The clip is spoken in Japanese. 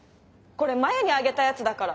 これ真夕にあげたやつだから。